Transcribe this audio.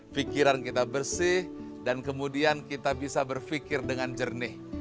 pikiran kita bersih dan kemudian kita bisa berpikir dengan jernih